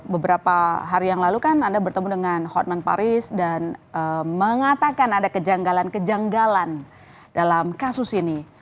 beberapa hari yang lalu kan anda bertemu dengan hotman paris dan mengatakan ada kejanggalan kejanggalan dalam kasus ini